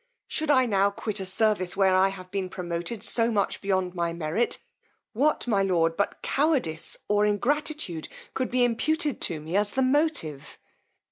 Should I now quit a service where I have been promoted so much beyond my merit, what, my lord, but cowardice or ingratitude could be imputed to me as the motive!